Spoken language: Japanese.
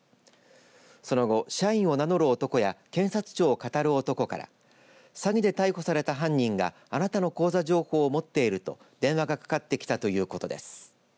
その後、社員を名乗る男や検察庁をかたる男から詐欺で逮捕された犯人があなたの口座情報を持っていると電話がかかってきたということです。